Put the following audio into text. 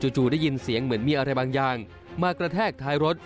จู่ได้ยินเสียงเหมือนมีอะไรบางอย่างมากระแทกท้ายรถ